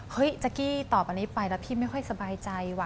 แจ๊กกี้ตอบอันนี้ไปแล้วพี่ไม่ค่อยสบายใจว่